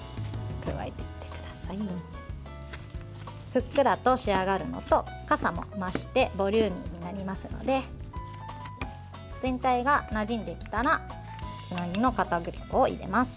ふっくらと仕上がるのとかさも増してボリューミーになりますので全体がなじんできたらつなぎのかたくり粉を入れます。